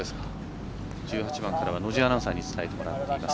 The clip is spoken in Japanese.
１８番からは野地アナウンサーに伝えてもらっています。